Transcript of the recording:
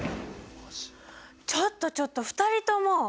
ちょっとちょっと２人とも！